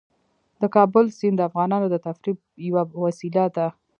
د کابل سیند د افغانانو د تفریح یوه وسیله ده.